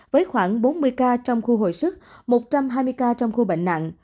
với khoảng bốn mươi ca trong khu hồi sức một trăm hai mươi ca trong khu bệnh nặng